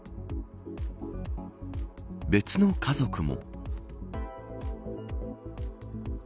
別の家族も。